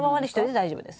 大丈夫です。